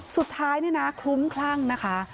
สุดท้ายเนี่ยนะคลุ้มคลั่งนะคะ